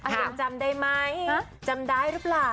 ยังจำได้ไหมจำได้หรือเปล่า